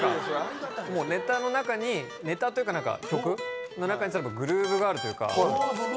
ネタの中にネタというか、曲の中にグルーヴがある。